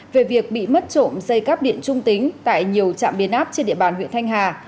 về việc bị mất trộm dây cắp điện trung tính tại nhiều trạm biến áp trên địa bàn huyện thanh hà